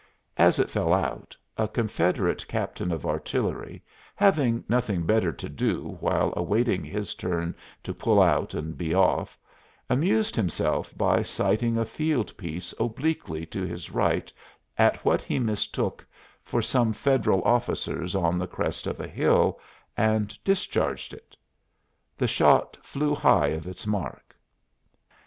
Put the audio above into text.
As it fell out, a Confederate captain of artillery, having nothing better to do while awaiting his turn to pull out and be off, amused himself by sighting a field piece obliquely to his right at what he mistook for some Federal officers on the crest of a hill, and discharged it. The shot flew high of its mark.